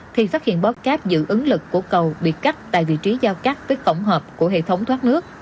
thì phát hiện bó cáp dự ứng lực của cầu bị cắt tại vị trí giao cắt với cổng hợp của hệ thống thoát nước